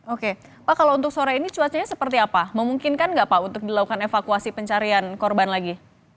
oke pak kalau untuk sore ini cuacanya seperti apa memungkinkan nggak pak untuk dilakukan evakuasi pencarian korban lagi